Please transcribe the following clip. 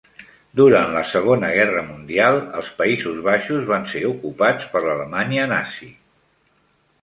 Durant la Segona Guerra Mundial, els Països Baixos van ser ocupats per l'Alemanya nazi.